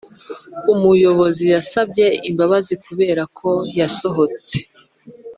umuyobozi yasabye imbabazi kuberako yasohotse.